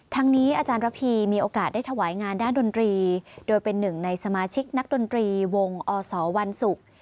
ทั้งนี้อาจารย์ระพีมีโอกาสได้ถวายงานด้านดนตรีโดยเป็นหนึ่งในสมาชิกนักดนตรีวงอสวันศุกร์